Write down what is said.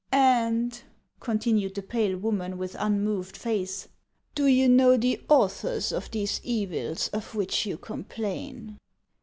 •' And," continued the pale woman, •with unmoved face, "do you know the authors of these evils of which you complain